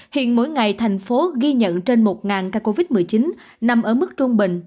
hiện mỗi ngày thành phố ghi nhận trên một ca covid một mươi chín nằm ở mức trung bình